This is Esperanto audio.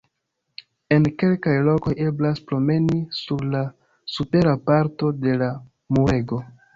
En kelkaj lokoj eblas promeni sur la supera parto de la murego.